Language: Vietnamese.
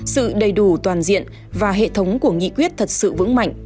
sự đầy đủ toàn diện và hệ thống của nghị quyết thật sự vững mạnh